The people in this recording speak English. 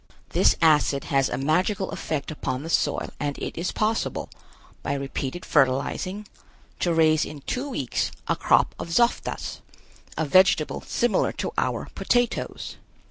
This acid has a magical effect upon the soil and it is possible, by repeated fertilizing, to raise in two weeks a crop of zoftas, a vegetable similar to our potatoes.